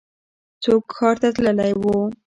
څوک ښار ته تللی و؟